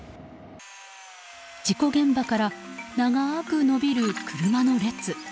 事故現場から長く延びる車の列。